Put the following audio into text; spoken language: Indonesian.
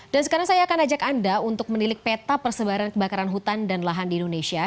dan sekarang saya akan ajak anda untuk menilik peta persebaran kebakaran hutan dan lahan di indonesia